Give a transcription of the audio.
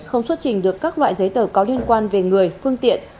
không xuất trình được các loại giấy tờ có liên quan về người phương tiện